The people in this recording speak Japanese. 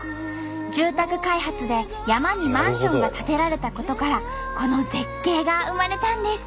住宅開発で山にマンションが建てられたことからこの絶景が生まれたんです。